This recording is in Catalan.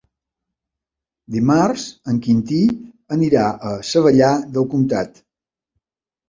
Dimarts en Quintí anirà a Savallà del Comtat.